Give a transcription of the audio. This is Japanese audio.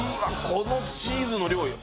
このチーズの量よ。